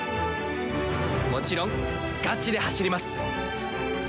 もちろんガチで走ります。